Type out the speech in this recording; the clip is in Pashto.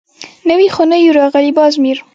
_نوي خو نه يو راغلي، باز مير.